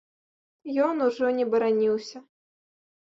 Ён ужо не бараніўся.